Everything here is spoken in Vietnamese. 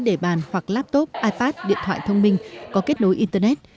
đề bàn hoặc laptop ipad điện thoại thông minh có kết nối internet